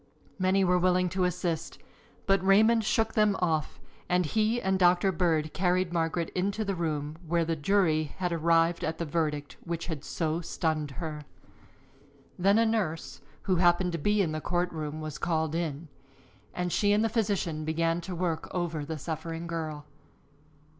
Many were willing to assist, but Raymond shook them off and he and Doctor Bird carried Margaret into the room where the jury had arrived at the verdict which had so stunned her. Then a nurse who happened to be in the court room was called in, and she and the physician began to work over the suffering girl.